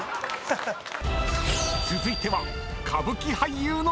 ［続いては］